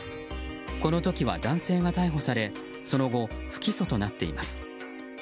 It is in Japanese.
この時は、男性が逮捕されその後、不起訴となっています。